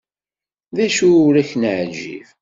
D acu ur ak-neεǧib?